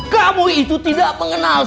kamu itu tidak mengenal